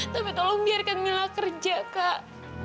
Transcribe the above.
tapi tolong biarkan mila kerja kak